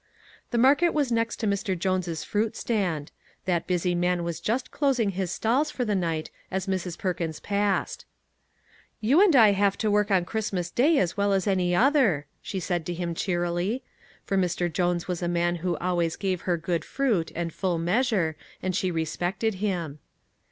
The market was next to Mr. Jones's fruit stand. That busy man was just closing his stalls for the night as Mrs. Perkins passed. " You and I have to work on Christmas Day as well as any other," she said to him cheerily; for Mr. Jones was a man who always gave her good fruit and full measure, and she respected him.